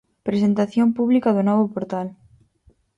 Presentación pública do novo portal.